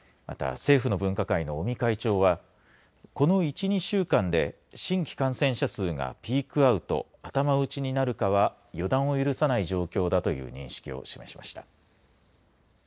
また政府の分科会の尾身会長はこの１、２週間で新規感染者数がピークアウト、頭打ちになるかは予断を許さない状況だという認識を示しました。